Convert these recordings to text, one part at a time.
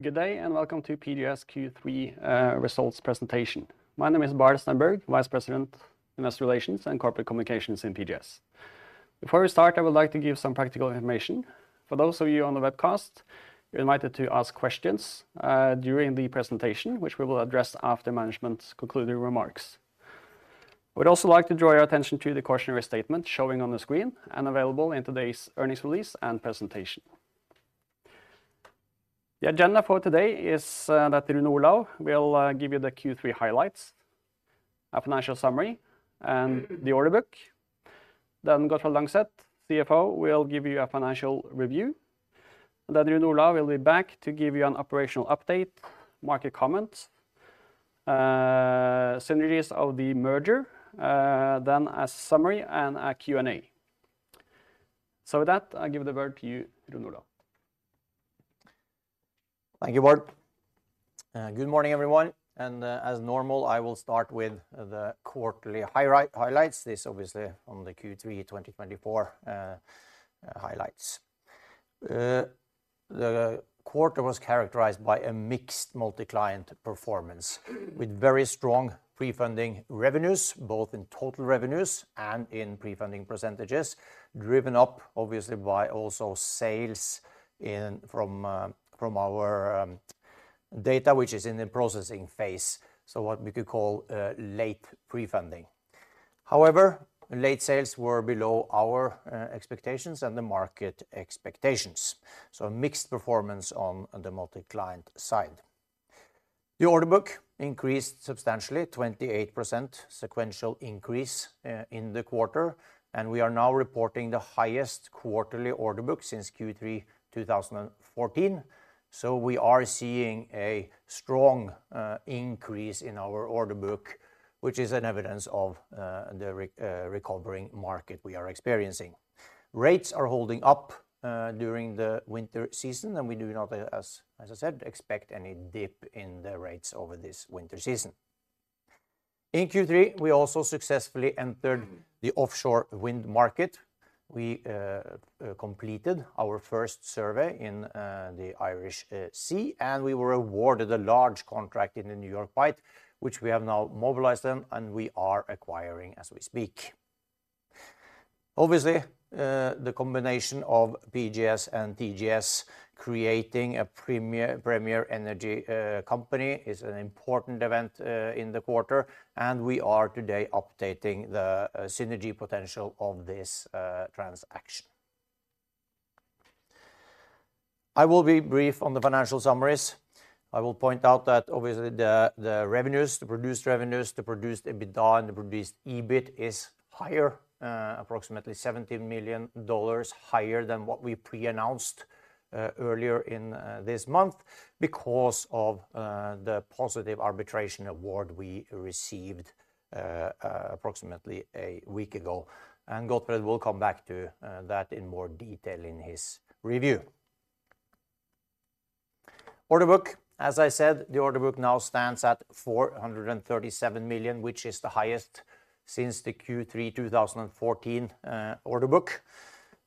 Good day, and welcome to PGS Q3 results presentation. My name is Bård Stenberg, Vice President, Investor Relations and Corporate Communications in PGS. Before we start, I would like to give some practical information. For those of you on the webcast, you're invited to ask questions during the presentation, which we will address after management's concluding remarks. We'd also like to draw your attention to the cautionary statement showing on the screen and available in today's earnings release and presentation. The agenda for today is that Rune Olav will give you the Q3 highlights, a financial summary, and the order book. Then Gottfred Langseth, CFO, will give you a financial review. Then Rune Olav will be back to give you an operational update, market comments, synergies of the merger, then a summary and a Q&A. With that, I give the word to you, Rune Olav. Thank you, Bård. Good morning, everyone, and, as normal, I will start with the quarterly highlights. This obviously on the Q3 2024 highlights. The quarter was characterized by a mixed multi-client performance, with very strong pre-funding revenues, both in total revenues and in pre-funding percentages, driven up obviously by also sales from our data, which is in the processing phase, so what we could call late pre-funding. However, late sales were below our expectations and the market expectations, so a mixed performance on the multi-client side. The order book increased substantially, 28% sequential increase, in the quarter, and we are now reporting the highest quarterly order book since Q3 2014. So we are seeing a strong increase in our order book, which is an evidence of the recovering market we are experiencing. Rates are holding up during the winter season, and we do not, as I said, expect any dip in the rates over this winter season. In Q3, we also successfully entered the offshore wind market. We completed our first survey in the Irish Sea, and we were awarded a large contract in the New York Bight, which we have now mobilized them, and we are acquiring as we speak. Obviously, the combination of PGS and TGS creating a premier energy company is an important event in the quarter, and we are today updating the synergy potential of this transaction. I will be brief on the financial summaries. I will point out that obviously, the revenues, the produced revenues, the produced EBITDA, and the produced EBIT is higher, approximately $70 million higher than what we pre-announced, earlier in this month because of the positive arbitration award we received, approximately a week ago. And Gottfred will come back to that in more detail in his review. Order book. As I said, the order book now stands at $437 million, which is the highest since the Q3 2014 order book.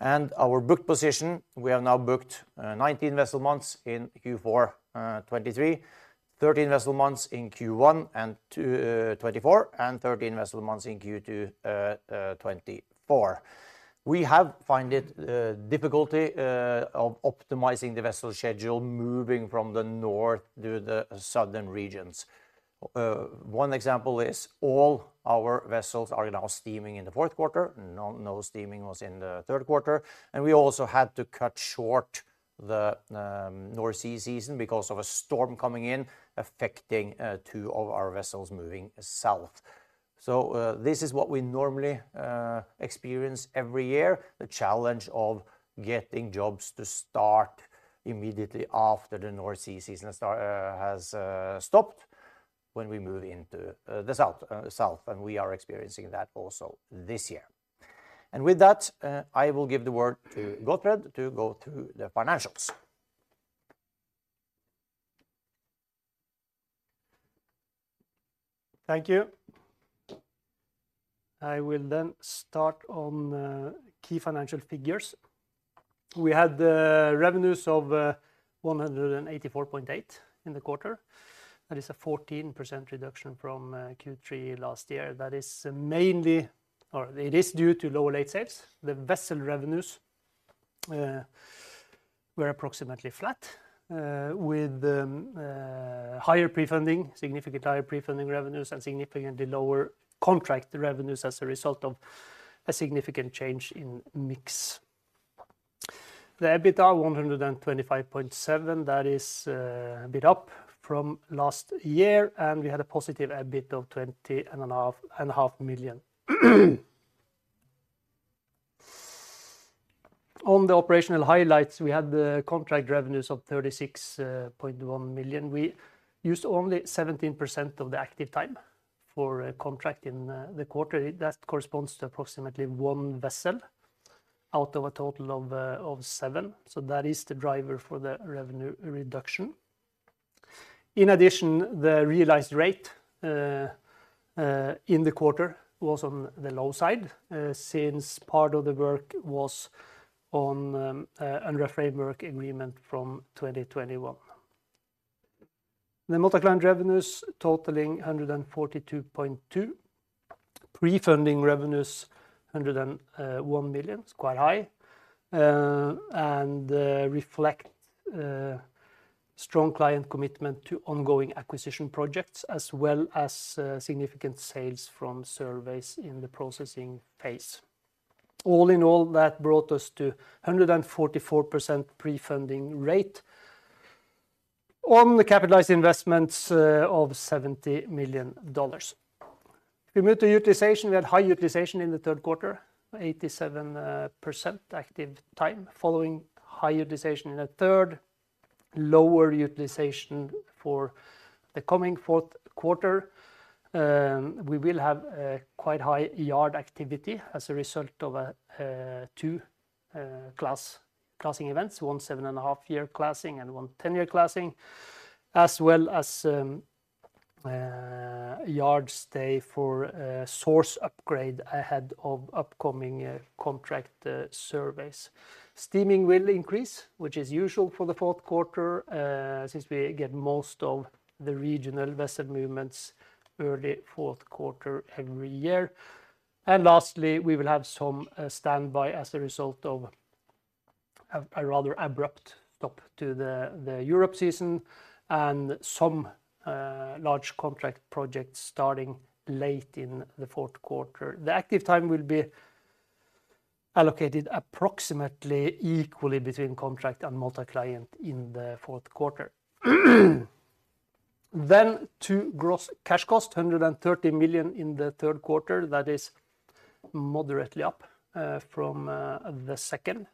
And our booked position, we have now booked 19 vessel months in Q4 2023, 13 vessel months in Q1 2024, and 13 vessel months in Q2 2024. We have found it difficulty of optimizing the vessel schedule, moving from the north to the southern regions. One example is all our vessels are now steaming in the fourth quarter. No, no steaming was in the third quarter. And we also had to cut short the North Sea season because of a storm coming in, affecting two of our vessels moving south. So, this is what we normally experience every year, the challenge of getting jobs to start immediately after the North Sea season start has stopped when we move into the south, south, and we are experiencing that also this year. And with that, I will give the word to Gottfred to go through the financials. Thank you. I will then start on key financial figures. We had revenues of $184.8 million in the quarter. That is a 14% reduction from Q3 last year. That is mainly, or it is due to lower late sales. The vessel revenues were approximately flat with higher pre-funding, significantly higher pre-funding revenues, and significantly lower contract revenues as a result of a significant change in mix. The EBITDA $125.7 million, that is a bit up from last year, and we had a positive EBIT of $20.5 million. On the operational highlights, we had contract revenues of $36.1 million. We used only 17% of the active time for a contract in the quarter. That corresponds to approximately one vessel out of a total of seven. So that is the driver for the revenue reduction. In addition, the realized rate in the quarter was on the low side, since part of the work was under a framework agreement from 2021. The multi-client revenues totaling $142.2 million. Pre-funding revenues, $101 million. It's quite high, and reflect strong client commitment to ongoing acquisition projects, as well as significant sales from surveys in the processing phase. All in all, that brought us to 144% pre-funding rate on the capitalized investments of $70 million. If we move to utilization, we had high utilization in the third quarter, 87% active time, following high utilization in the third. Lower utilization for the coming fourth quarter. We will have a quite high yard activity as a result of two classing events, one 7.5-year classing and one 10-year classing, as well as yard stay for a source upgrade ahead of upcoming contract surveys. Steaming will increase, which is usual for the fourth quarter, since we get most of the regional vessel movements early fourth quarter every year. And lastly, we will have some standby as a result of a rather abrupt stop to the Europe season and some large contract projects starting late in the fourth quarter. The active time will be allocated approximately equally between contract and multi-client in the fourth quarter. Then to gross cash cost, $130 million in the third quarter. That is moderately up from the second,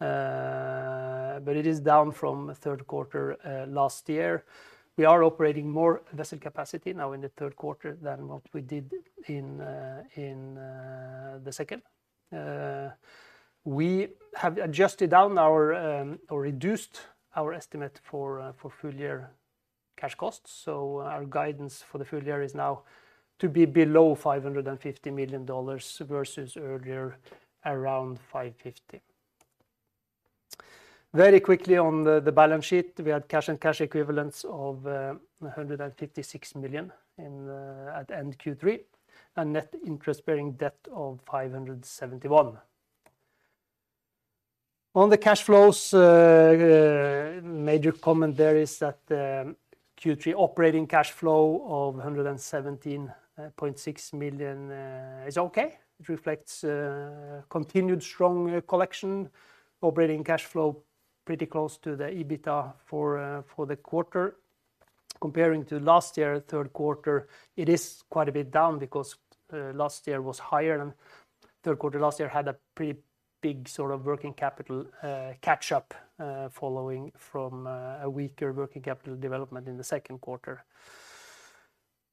but it is down from third quarter last year. We are operating more vessel capacity now in the third quarter than what we did in the second. We have adjusted down our or reduced our estimate for full year cash costs, so our guidance for the full year is now to be below $550 million, versus earlier, around $550. Very quickly on the balance sheet, we had cash and cash equivalents of $156 million at end Q3, and net interest-bearing debt of $571 million. On the cash flows, major comment there is that Q3 operating cash flow of $117.6 million is okay. It reflects continued strong collection. Operating cash flow pretty close to the EBITDA for the quarter. Comparing to last year, third quarter, it is quite a bit down because last year was higher and third quarter last year had a pretty big sort of working capital catch up following from a weaker working capital development in the second quarter.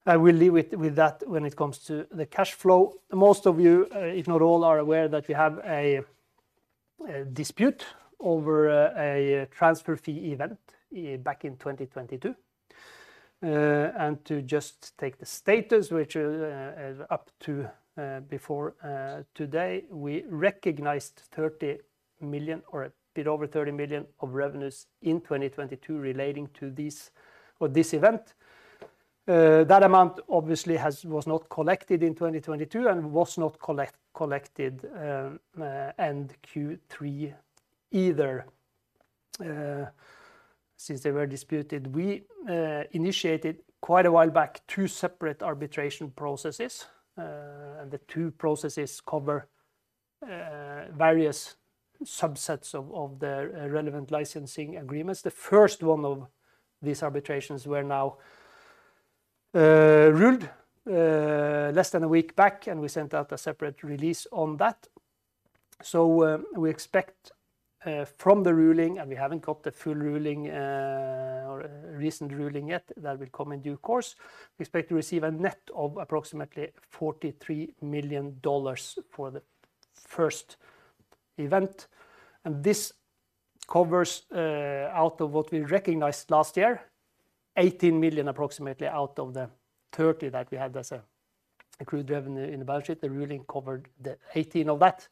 I will leave it with that when it comes to the cash flow. Most of you, if not all, are aware that we have a dispute over a transfer fee event back in 2022. And to just take the status, which is up to before today, we recognized $30 million or a bit over $30 million of revenues in 2022 relating to this event. That amount obviously was not collected in 2022 and was not collected end Q3 either, since they were disputed. We initiated quite a while back two separate arbitration processes, and the two processes cover various subsets of the relevant licensing agreements. The first one of these arbitrations were now ruled less than a week back, and we sent out a separate release on that. So, we expect from the ruling, and we haven't got the full ruling or recent ruling yet, that will come in due course. We expect to receive a net of approximately $43 million for the first event, and this covers out of what we recognized last year $18 million, approximately out of the $30 million that we had as an accrued revenue in the balance sheet. The ruling covered the 18 of that.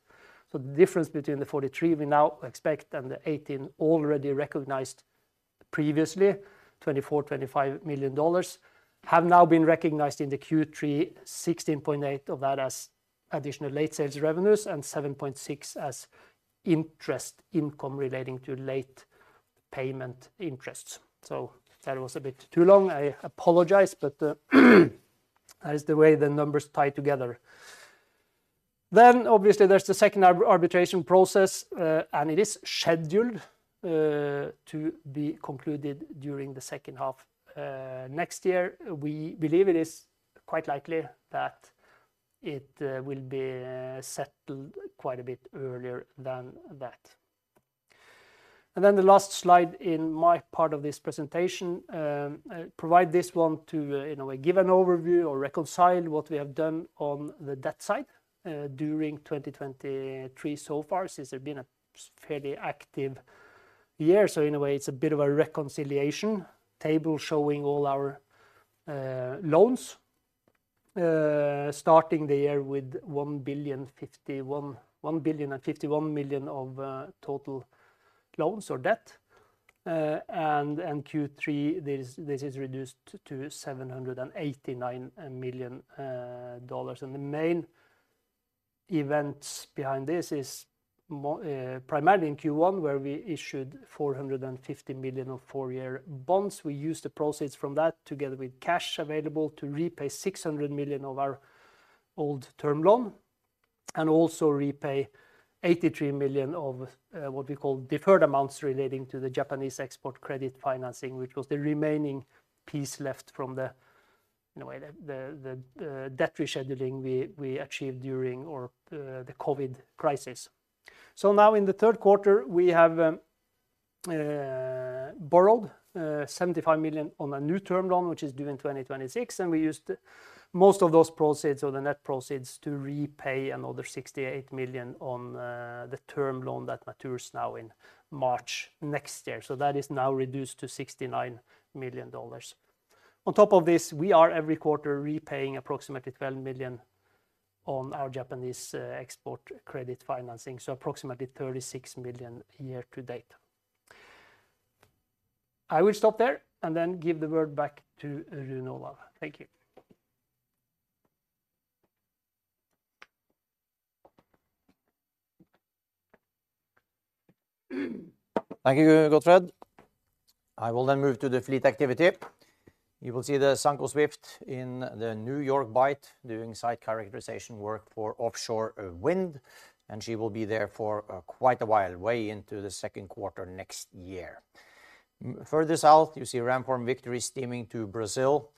So the difference between the 43 we now expect and the 18 already recognized previously, $24-$25 million, have now been recognized in the Q3, $16.8 of that as additional late sales revenues and $7.6 as interest income relating to late payment interests. So that was a bit too long. I apologize, but that is the way the numbers tie together. Then obviously, there's the second arbitration process, and it is scheduled to be concluded during the second half next year. We believe it is quite likely that it will be settled quite a bit earlier than that. Then the last slide in my part of this presentation, I provide this one to, in a way, give an overview or reconcile what we have done on the debt side during 2023 so far, since it's been a fairly active year. In a way, it's a bit of a reconciliation table showing all our loans starting the year with $1,051 million of total loans or debt. In Q3, this is reduced to $789 million. The main events behind this is primarily in Q1, where we issued $450 million of four-year bonds. We used the proceeds from that, together with cash available, to repay $600 million of our old term loan, and also repay $83 million of what we call deferred amounts relating to the Japanese export credit financing, which was the remaining piece left from the, in a way, the debt rescheduling we achieved during the COVID crisis. So now in the third quarter, we have borrowed $75 million on a new term loan, which is due in 2026, and we used most of those proceeds or the net proceeds to repay another $68 million on the term loan that matures now in March next year. So that is now reduced to $69 million. On top of this, we are every quarter repaying approximately $12 million on our Japanese export credit financing, so approximately $36 million year to date. I will stop there and then give the word back to Rune Olav. Thank you. Thank you, Gottfred. I will then move to the fleet activity. You will see the Sanco Swift in the New York Bight doing site characterization work for offshore wind, and she will be there for quite a while, way into the second quarter next year. Further south, you see Ramform Victory steaming to Brazil.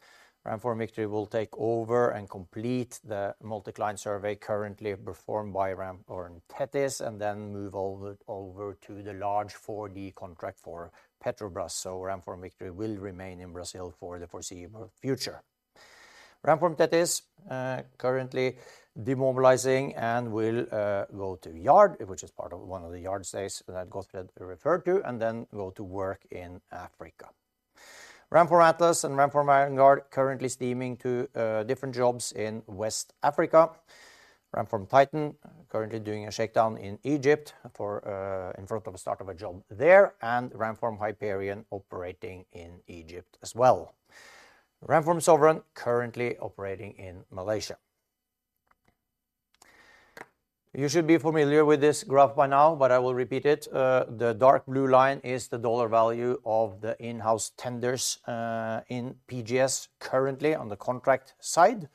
Ramform Victory will take over and complete the multiclient survey currently performed by Ramform Tethys, and then move over to the large 4D contract for Petrobras. So Ramform Victory will remain in Brazil for the foreseeable future. Ramform Tethys currently demobilizing and will go to yard, which is part of one of the yard stays that Gottfred referred to, and then go to work in Africa. Ramform Atlas and Ramform Vanguard currently steaming to different jobs in West Africa. Ramform Titan currently doing a shakedown in Egypt for, in front of the start of a job there, and Ramform Hyperion operating in Egypt as well. Ramform Sovereign currently operating in Malaysia. You should be familiar with this graph by now, but I will repeat it. The dark blue line is the dollar value of the in-house tenders in PGS currently on the contract side,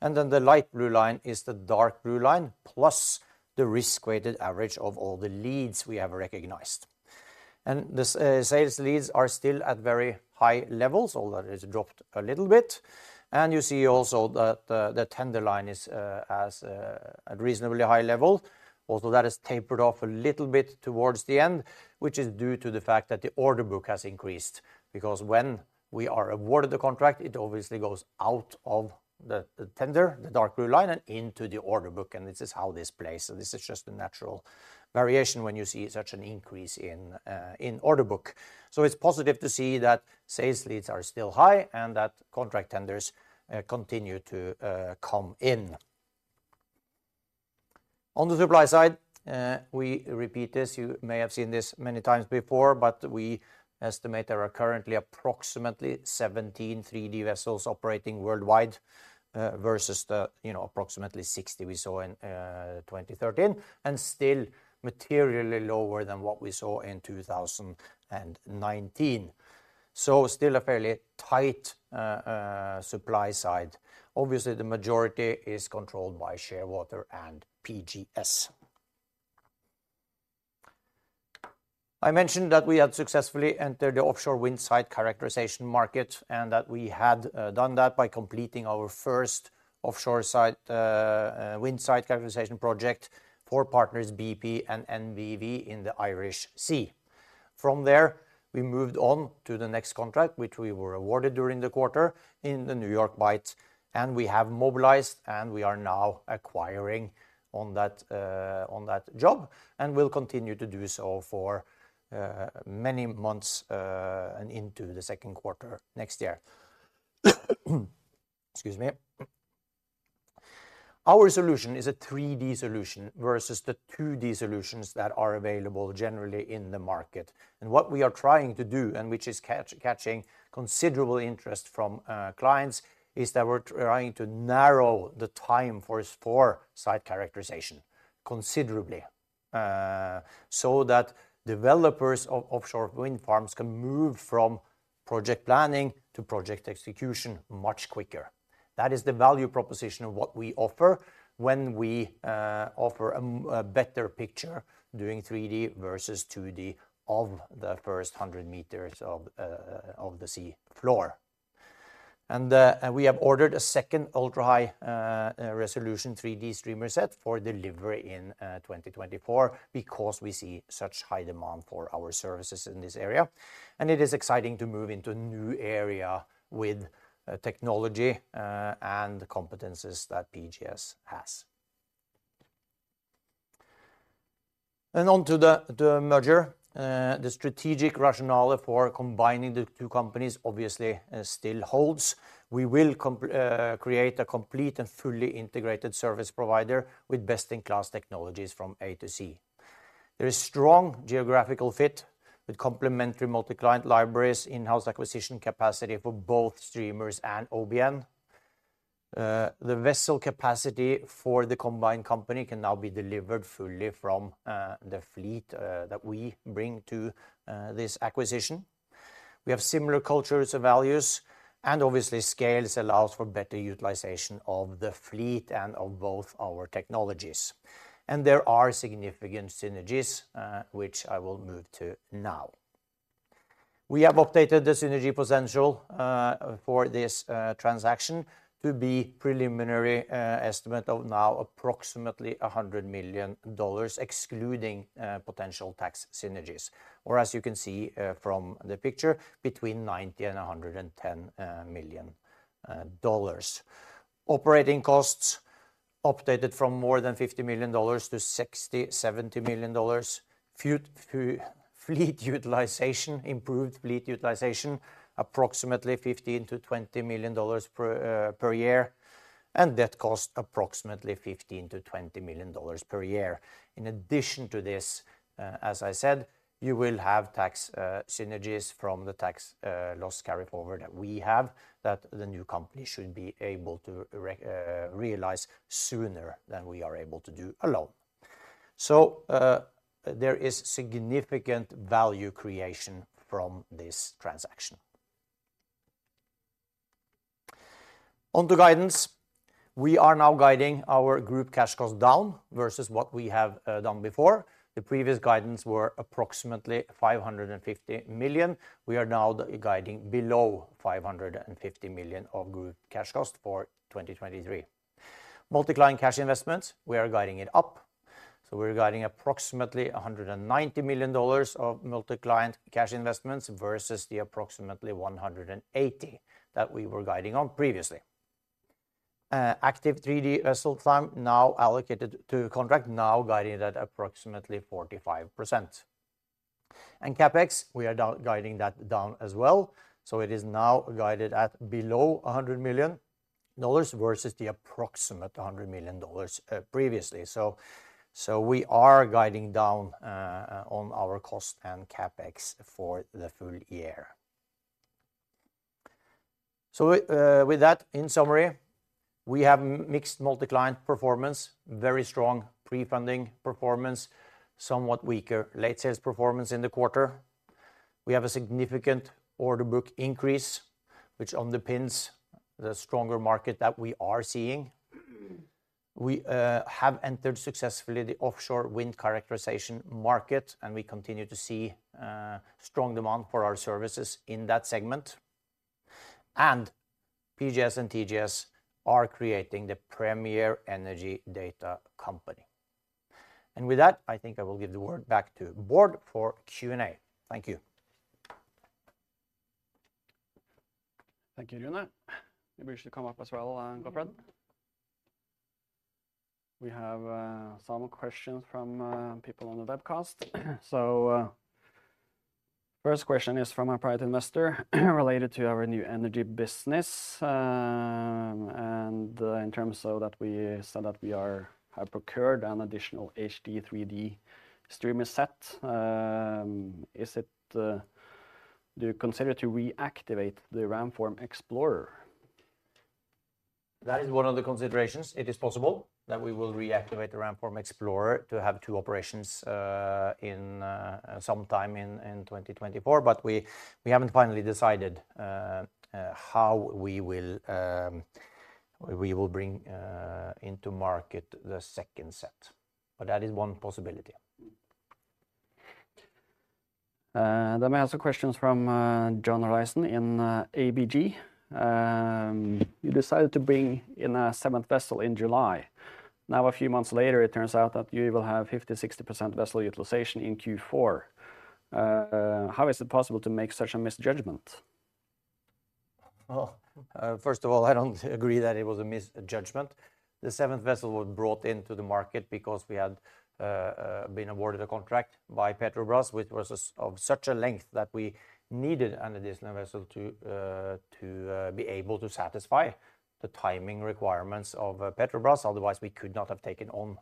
and then the light blue line is the dark blue line, plus the risk-weighted average of all the leads we have recognized. And the sales leads are still at very high levels, although it's dropped a little bit. And you see also that the tender line is at reasonably high level. Also, that has tapered off a little bit towards the end, which is due to the fact that the order book has increased. Because when we are awarded the contract, it obviously goes out of the tender, the dark blue line, and into the order book, and this is how this plays. So this is just a natural variation when you see such an increase in order book. So it's positive to see that sales leads are still high and that contract tenders continue to come in. On the supply side, we repeat this, you may have seen this many times before, but we estimate there are currently approximately 17 3D vessels operating worldwide versus the, you know, approximately 60 we saw in 2013, and still materially lower than what we saw in 2019. So still a fairly tight supply side. Obviously, the majority is controlled by Shearwater and PGS. I mentioned that we had successfully entered the offshore wind site characterization market, and that we had done that by completing our first offshore site wind site characterization project for partners BP and EnBW in the Irish Sea. From there, we moved on to the next contract, which we were awarded during the quarter in the New York Bight, and we have mobilized, and we are now acquiring on that on that job, and will continue to do so for many months and into the second quarter next year. Excuse me. Our solution is a 3D solution versus the 2D solutions that are available generally in the market. And what we are trying to do, and which is catching considerable interest from clients, is that we're trying to narrow the timeframe for site characterization considerably, so that developers of offshore wind farms can move from project planning to project execution much quicker. That is the value proposition of what we offer when we offer a better picture doing 3D versus 2D of the first 100 meters of the sea floor. And we have ordered a second ultra-high resolution 3D streamer set for delivery in 2024, because we see such high demand for our services in this area. And it is exciting to move into a new area with technology and the competencies that PGS has. And on to the merger. The strategic rationale for combining the two companies obviously still holds. We will create a complete and fully integrated service provider with best-in-class technologies from A to Z. There is strong geographical fit with complementary multi-client libraries, in-house acquisition capacity for both streamers and OBN. The vessel capacity for the combined company can now be delivered fully from the fleet that we bring to this acquisition. We have similar cultures and values, and obviously, scales allows for better utilization of the fleet and of both our technologies. There are significant synergies which I will move to now. We have updated the synergy potential for this transaction to be preliminary estimate of now approximately $100 million, excluding potential tax synergies, or as you can see from the picture, between $90 million and $110 million. Operating costs updated from more than $50 million to $60 million-$70 million. Fleet utilization, improved fleet utilization, approximately $15 million-$20 million per year, and debt cost approximately $15 million-$20 million per year. In addition to this, as I said, you will have tax synergies from the tax loss carryforward that we have, that the new company should be able to realize sooner than we are able to do alone. So, there is significant value creation from this transaction. On to guidance, we are now guiding our group cash cost down versus what we have done before. The previous guidance were approximately $550 million. We are now guiding below $550 million of group cash cost for 2023. Multi-client cash investments, we are guiding it up, so we're guiding approximately $190 million of multi-client cash investments versus the approximately $180 million that we were guiding on previously. Active 3D vessel time now allocated to contract, now guided at approximately 45%. And CapEx, we are down, guiding that down as well, so it is now guided at below $100 million versus the approximate $100 million, previously. So we are guiding down, on our cost and CapEx for the full year. So, with that, in summary, we have mixed multi-client performance, very strong pre-funding performance, somewhat weaker late sales performance in the quarter. We have a significant order book increase, which underpins the stronger market that we are seeing. We have entered successfully the offshore wind characterization market, and we continue to see strong demand for our services in that segment. And PGS and TGS are creating the premier energy data company. And with that, I think I will give the word back to the board for Q&A. Thank you. Thank you, Rune. Maybe you should come up as well, Gottfred. We have some questions from people on the webcast. So, first question is from a private investor, related to our new energy business, and in terms of that we said that we are have procured an additional HD 3D streamer set. Is it do you consider to reactivate the Ramform Explorer? That is one of the considerations. It is possible that we will reactivate the Ramform Explorer to have two operations sometime in 2024, but we haven't finally decided how we will bring into market the second set. But that is one possibility. Then we have some questions from John Olaisen in ABG. You decided to bring in a seventh vessel in July. Now, a few months later, it turns out that you will have 50%-60% vessel utilization in Q4. How is it possible to make such a misjudgment? Well, first of all, I don't agree that it was a misjudgment. The seventh vessel was brought into the market because we had been awarded a contract by Petrobras, which was of such a length that we needed an additional vessel to be able to satisfy the timing requirements of Petrobras. Otherwise, we could not have taken on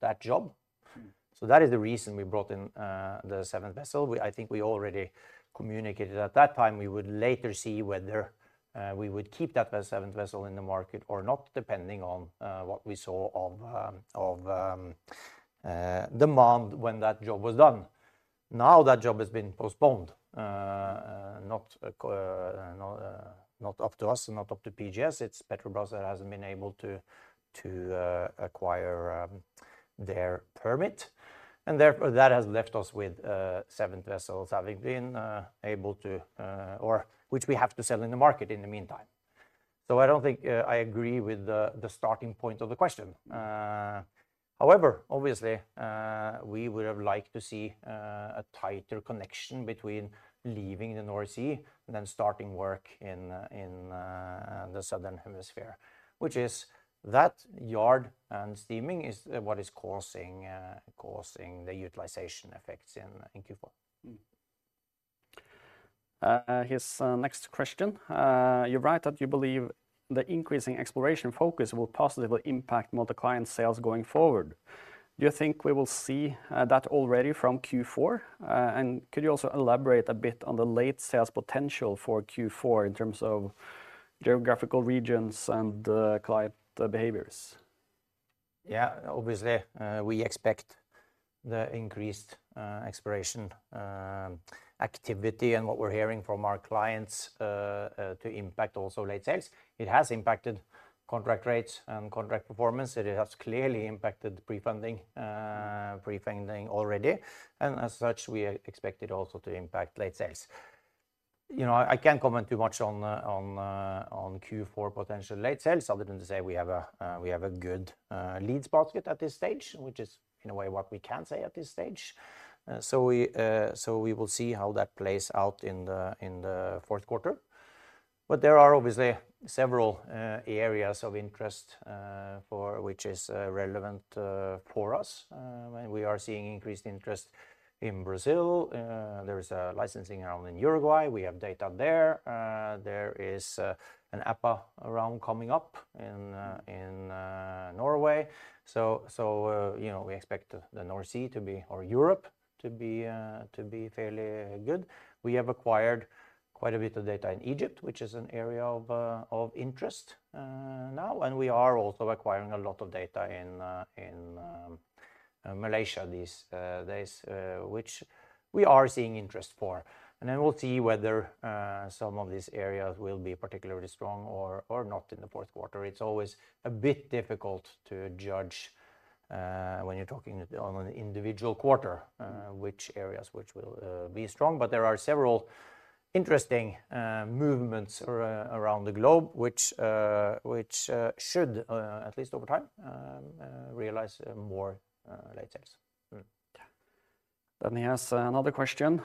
that job. Mm. So that is the reason we brought in the seventh vessel. I think we already communicated at that time, we would later see whether we would keep that seventh vessel in the market or not, depending on what we saw of demand when that job was done. Now, that job has been postponed, not up to us, not up to PGS. It's Petrobras that hasn't been able to acquire their permit, and therefore, that has left us with seven vessels having been able to or which we have to sell in the market in the meantime. So I don't think I agree with the starting point of the question. However, obviously, we would have liked to see a tighter connection between leaving the North Sea and then starting work in the Southern Hemisphere. Which is that yard and steaming is what is causing the utilization effects in Q4. His next question. "You write that you believe the increasing exploration focus will positively impact multi-client sales going forward. Do you think we will see that already from Q4? And could you also elaborate a bit on the late sales potential for Q4 in terms of geographical regions and client behaviors? Yeah, obviously, we expect the increased exploration activity and what we're hearing from our clients to impact also late sales. It has impacted contract rates and contract performance, and it has clearly impacted pre-funding, pre-funding already, and as such, we expect it also to impact late sales. You know, I can't comment too much on on on Q4 potential late sales, other than to say we have a we have a good leads basket at this stage, which is, in a way, what we can say at this stage. So we so we will see how that plays out in the in the fourth quarter. But there are obviously several areas of interest for which is relevant for us. And we are seeing increased interest in Brazil. There is a licensing round in Uruguay. We have data there. There is an APA round coming up in Norway. So, you know, we expect the North Sea to be, or Europe to be, to be fairly good. We have acquired quite a bit of data in Egypt, which is an area of interest now, and we are also acquiring a lot of data in Malaysia these days, which we are seeing interest for. And then we'll see whether some of these areas will be particularly strong or not in the fourth quarter. It's always a bit difficult to judge when you're talking on an individual quarter, which areas which will be strong. There are several interesting movements around the globe, which should at least over time realize more late sales. Mm-hmm. Then he has another question.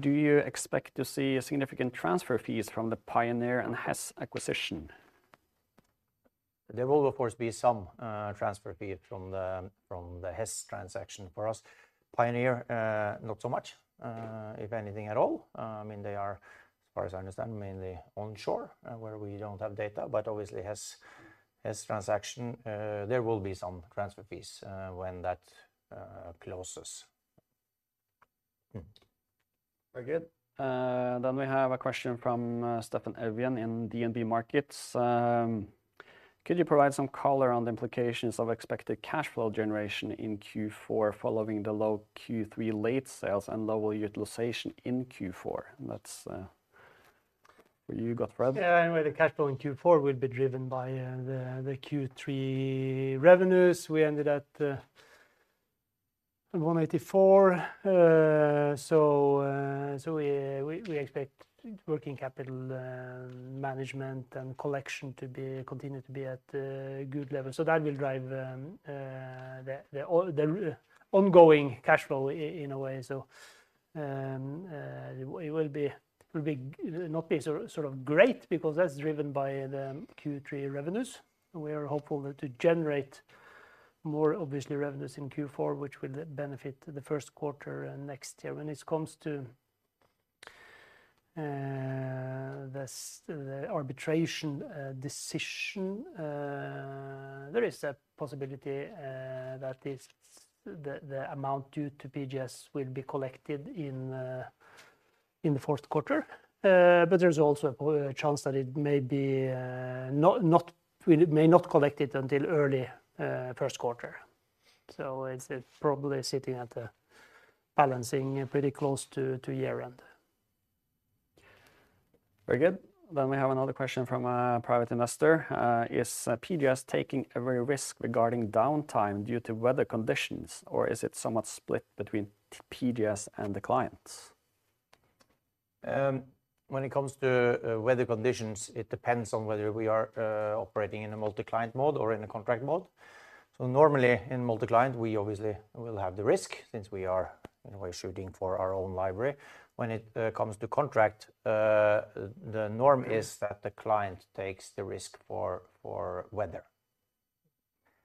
"Do you expect to see significant transfer fees from the Pioneer and Hess acquisition? There will, of course, be some transfer fee from the Hess transaction for us. Pioneer, not so much, if anything at all. I mean, they are, as far as I understand, mainly onshore, where we don't have data, but obviously Hess, Hess transaction, there will be some transfer fees, when that closes. Hmm. Very good. Then we have a question from Steffen Evjen in DNB Markets. "Could you provide some color on the implications of expected cash flow generation in Q4 following the low Q3 late sales and low utilization in Q4?" That's for you, Gottfred. Yeah, anyway, the cash flow in Q4 will be driven by the Q3 revenues. We ended at $184 million. So we expect working capital management and collection to continue to be at a good level. So that will drive the ongoing cash flow in a way. So it will not be so sort of great because that's driven by the Q3 revenues. We are hopeful that to generate more, obviously, revenues in Q4, which will benefit the first quarter and next year. When it comes to the arbitration decision, there is a possibility that the amount due to PGS will be collected in the fourth quarter. But there's also a chance that it may be. We may not collect it until early first quarter. So it's probably sitting at a balance in pretty close to year-end. Very good. Then we have another question from a private investor: "Is PGS taking a risk regarding downtime due to weather conditions, or is it somewhat split between PGS and the clients? When it comes to weather conditions, it depends on whether we are operating in a multi-client mode or in a contract mode. So normally, in multi-client, we obviously will have the risk since we are, in a way, shooting for our own library. When it comes to contract, the norm is that the client takes the risk for weather.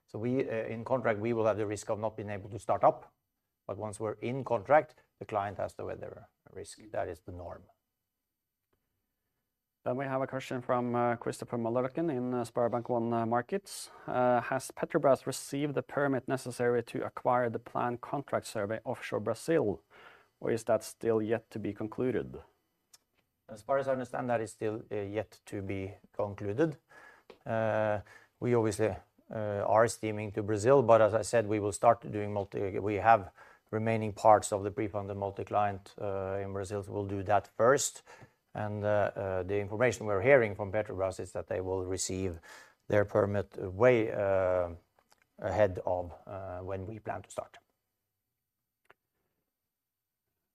So we in contract, we will have the risk of not being able to start up, but once we're in contract, the client has the weather risk. That is the norm. Then we have a question from Christopher Møllerløkken in SpareBank 1 Markets, has Petrobras received a permit necessary to acquire the planned contract survey offshore Brazil, or is that still yet to be concluded? As far as I understand, that is still yet to be concluded. We obviously are steaming to Brazil, but as I said, we will start doing multi... We have remaining parts of the pre-fund, the multi-client in Brazil, so we'll do that first. And the information we're hearing from Petrobras is that they will receive their permit way ahead of when we plan to start.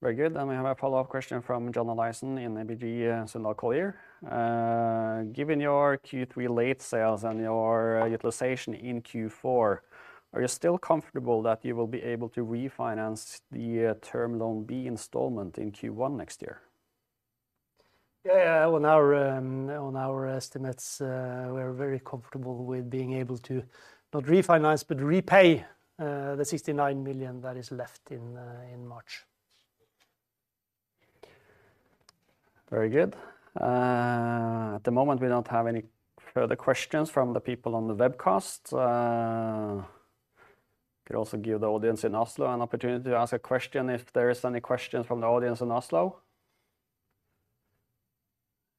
Very good. Then we have a follow-up question from John Olaisen in ABG Sundal Collier. "Given your Q3 late sales and your utilization in Q4, are you still comfortable that you will be able to refinance the term loan B installment in Q1 next year? Yeah, yeah. Well, on our estimates, we're very comfortable with being able to not refinance, but repay, the $69 million that is left in March. Very good. At the moment, we don't have any further questions from the people on the webcast. Could also give the audience in Oslo an opportunity to ask a question, if there is any questions from the audience in Oslo?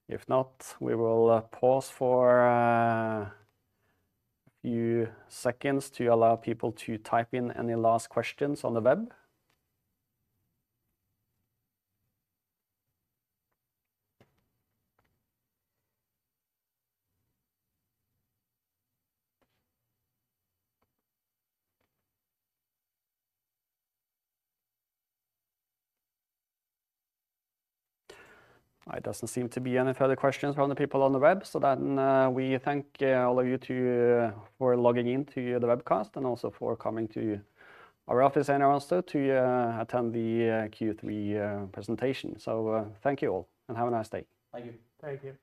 If not, we will pause for a few seconds to allow people to type in any last questions on the web. There doesn't seem to be any further questions from the people on the web, so then we thank all of you to for logging in to the webcast and also for coming to our office here in Oslo to attend the Q3 presentation. So, thank you all, and have a nice day. Thank you. Thank you.